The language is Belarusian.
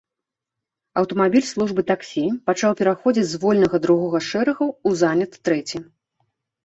Аўтамабіль службы таксі пачаў пераходзіць з вольнага другога шэрагу ў заняты трэці.